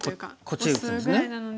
こっちへ打つんですね。